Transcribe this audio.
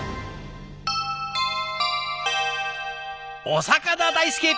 お魚大好き！